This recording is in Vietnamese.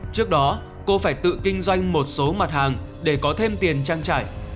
trước đó cô phải tự kinh doanh một số mặt hàng để có thêm tiền trang trải